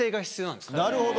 なるほど！